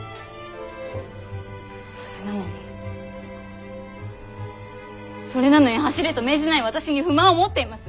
それなのにそれなのに走れと命じない私に不満を持っています。